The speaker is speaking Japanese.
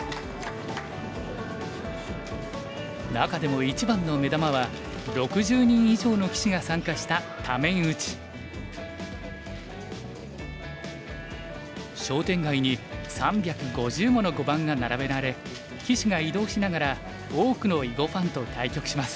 中でも一番の目玉は商店街に３５０もの碁盤が並べられ棋士が移動しながら多くの囲碁ファンと対局します。